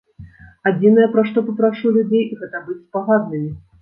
Адзінае пра што папрашу людзей, гэта быць спагаднымі.